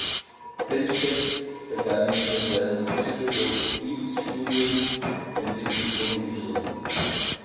Tennstedt begann neben seinem Psychologiestudium mit dem Synchronisieren.